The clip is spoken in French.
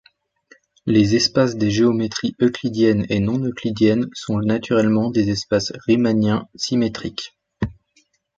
Les espaces des géométries euclidiennes et non euclidiennes sont naturellement des espaces riemanniens symétriques.